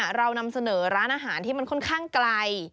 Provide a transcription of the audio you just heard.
เรานำเสนอร้านอาหารที่มันค่อนข้างไกล